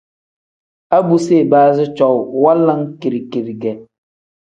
A bu si ibaazi cowuu wanlam kiri-kiri ge.